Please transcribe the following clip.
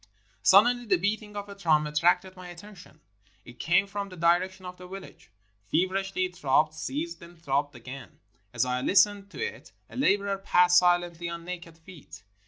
Sud denly the beating of a drum attracted my attention. It came from the direction of the village. Feverishly it throbbed — ceased — then throbbed again. As I listened to it, a laborer passed silently on naked feet.